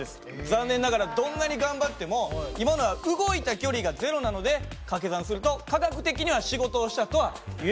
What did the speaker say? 残念ながらどんなに頑張っても今のは動いた距離が０なのでかけ算すると科学的には仕事をしたとは言えなくなってしまうんですね。